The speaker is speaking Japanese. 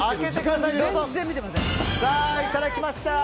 さあ、いただきました。